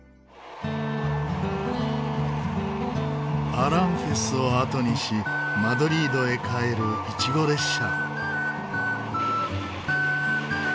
アランフェスをあとにしマドリードへ帰るイチゴ列車。